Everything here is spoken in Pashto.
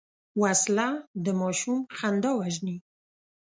وسله د ماشوم خندا وژني